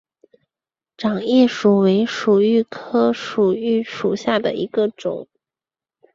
掌叶薯为薯蓣科薯蓣属下的一个种。